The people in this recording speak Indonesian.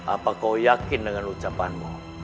apa kau yakin dengan ucapanmu